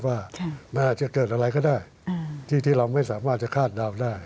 ว่าก็มาจะเกิดอะไรก็ได้ที่ทีเราไม่สามารถจะฆ่าเท่าได้